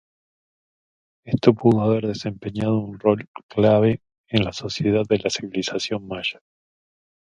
Esto pudo haber desempeñado un rol clave en la sociedad de la civilización Maya.